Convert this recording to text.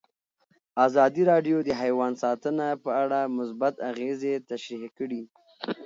ازادي راډیو د حیوان ساتنه په اړه مثبت اغېزې تشریح کړي.